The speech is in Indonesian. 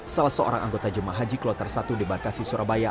salah seorang anggota jemaah haji kelotar satu debar kasi surabaya